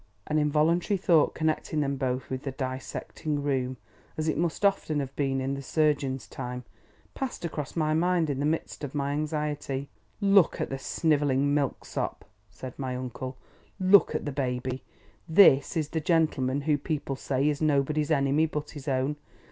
An involuntary thought connecting them both with the Dissecting Room, as it must often have been in the surgeon's time, passed across my mind in the midst of my anxiety. "Look at the snivelling milksop!" said my uncle. "Look at the baby! This is the gentleman who, people say, is nobody's enemy but his own.